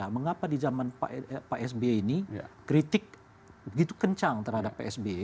mengapa di zaman pak s b ini kritik begitu kencang terhadap pak s b